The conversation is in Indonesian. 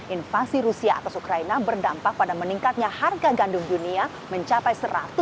invasi rusia atas ukraina berdampak pada meningkatnya harga gandum dunia mencapai satu ratus lima puluh